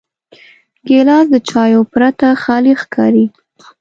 ګیلاس د چایو پرته خالي ښکاري.